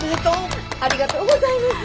ありがとうございます。